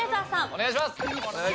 お願いします！